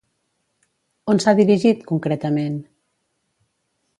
On s'ha dirigit, concretament?